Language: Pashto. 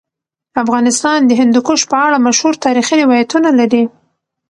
افغانستان د هندوکش په اړه مشهور تاریخی روایتونه لري.